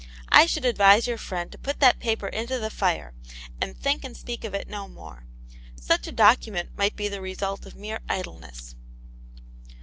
I should advise your friend to put that paper into the fire, and think and speak of it no more. Such a document might be the result of mere idleness."